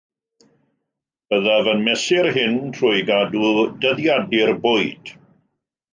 Byddaf yn mesur hyn trwy gadw dyddiadur bwyd